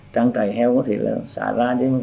trang trải heo có thể xả ra